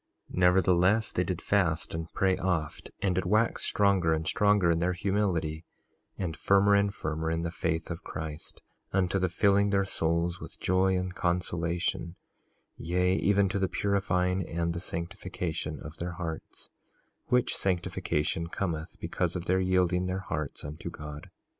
3:35 Nevertheless they did fast and pray oft, and did wax stronger and stronger in their humility, and firmer and firmer in the faith of Christ, unto the filling their souls with joy and consolation, yea, even to the purifying and the sanctification of their hearts, which sanctification cometh because of their yielding their hearts unto God.